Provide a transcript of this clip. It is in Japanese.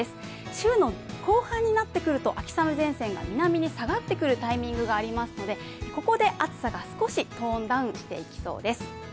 週の後半になってくると秋雨前線が南に下がってくるタイミングがありますので、ここで暑さが少しトーンダウンしていきそうです。